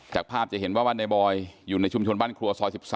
จากภาพจะเห็นว่าบ้านในบอยอยู่ในชุมชนบ้านครัวซอย๑๓